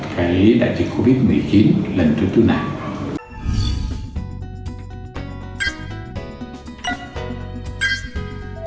cái đại dịch covid một mươi chín lần thứ tư này